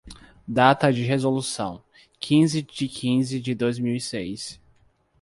Data de resolução: quinze de quinze de dois mil e seis.